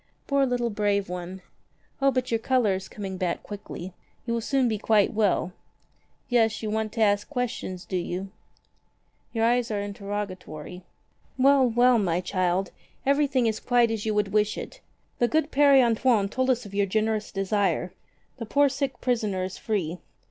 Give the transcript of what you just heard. "Poor little brave one! O but your color is coming back quickly. You will soon be quite well. Yes, you want to ask questions, do you ? Your eyes are interrogatory. Well, well, my child, everything is quite as you would wish it. The good Pere Antoine told us of your generous desire. The poor sick prisoner is free.